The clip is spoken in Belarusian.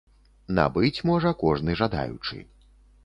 Набыць можа кожны жадаючы.